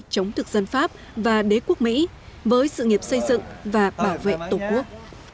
chống thực dân pháp và đế quốc mỹ với sự nghiệp xây dựng và bảo vệ tổ quốc